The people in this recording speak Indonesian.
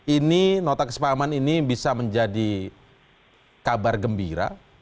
ini nota kesepahaman ini bisa menjadi kabar gembira